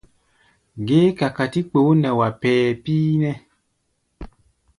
Géé kakatí kpoo nɛ wá pɛɛ píínɛ́ʼɛ!